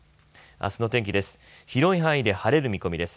あすの天気です。